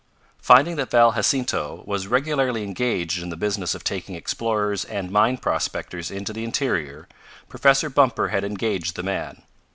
Finding that Val Jacinto was regularly engaged in the business of taking explorers and mine prospectors into the interior, Professor Bumper had engaged the man.